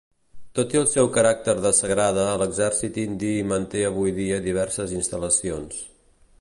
Tot i el seu caràcter de sagrada l'exèrcit indi hi manté avui dia diverses instal·lacions.